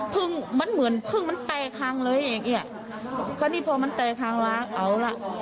พึ่งมันเหมือนพึ่งมันแตกทางเลยอี๊ะเขานี่พอมันแตกทางมาเอาล่ะ